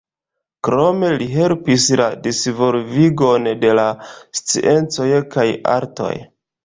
Krome li helpis la disvolvigon de la sciencoj kaj artoj.